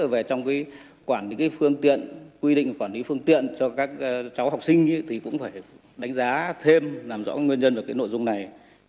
về trong quản lý phương tiện quy định quản lý phương tiện cho các cháu học sinh thì cũng phải đánh giá thêm làm rõ nguyên nhân và nội dung này